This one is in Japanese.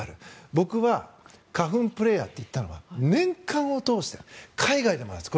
僕が花粉プレーヤーといったのは年間を通して海外でもあります。